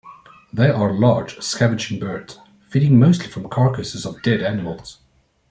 They are large scavenging birds, feeding mostly from carcasses of dead animals.